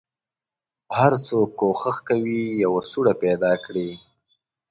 هر څوک کوښښ کوي یوه سوړه پیدا کړي.